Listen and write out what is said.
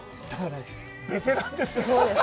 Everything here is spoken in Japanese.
ベテランですよ。